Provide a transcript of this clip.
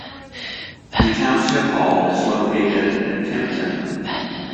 The township hall is located in Kempton.